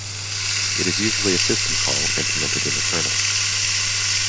It is usually a system call, implemented in the kernel.